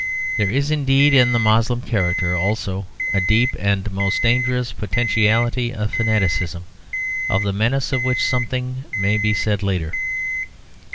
There is indeed in the Moslem character also a deep and most dangerous potentiality of fanaticism of the menace of which something may be said later.